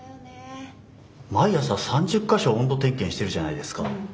毎朝３０か所温度点検してるじゃないですか。